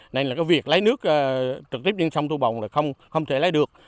nên là cái việc lấy nước trực tiếp đến sông thu bồng là không thể lấy được